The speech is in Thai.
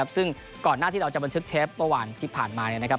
ซึ่งก่อนหน้าที่เราจะบันทึกเทปเมื่อวานที่ผ่านมา